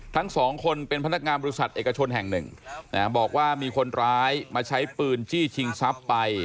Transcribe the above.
ทั้งสองคนเป็นพนักงานบริษัทเอกชนแห่งหนึ่งบอกว่ามีคนร้ายมาใช้ปืนจี้ชิงทรัพย์ไป